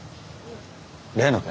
例の件？